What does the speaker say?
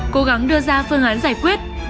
cố gắng đưa ra phương án giải quyết